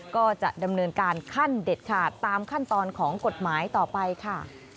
ก็จะดำเนินการขั้นเด็ดขาดตามขั้นตอนของกฎหมายต่อไปค่ะ